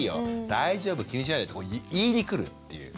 大丈夫気にしないで」って言いに来るっていう。